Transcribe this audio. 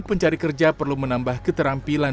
pencari kerja perlu menambah keterampilan